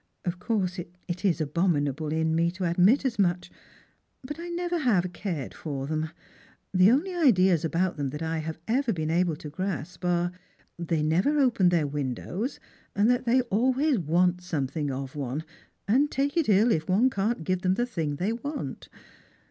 " Of course it is abominable in me to admit as much, but I never have cared for them. The only ideas about them that I have ever been able to grasp are, that they never open their windows, and that they always want something of one, and take it ill if one can't give them the thing they want.